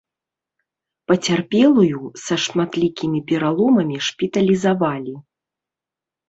Пацярпелую са шматлікімі пераломамі шпіталізавалі.